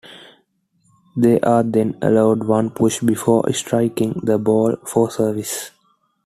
They are then allowed one push before striking the ball for service.